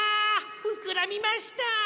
ふくらみました！